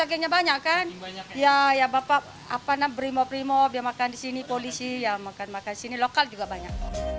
bagaimana banyak kan ya ya bapak berimau rimau dia makan di sini polisi makan makan di sini lokal juga banyak